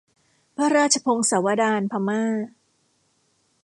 พระราชพงศาวดารพม่า